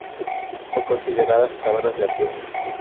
Son consideradas "sabanas de altura".